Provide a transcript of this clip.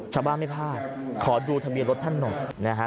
ชาวบ้านไม่พลาดขอดูทะเบียนรถท่านหน่อยนะฮะ